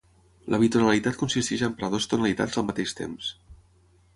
La bitonalitat consisteix a emprar dues tonalitats al mateix temps.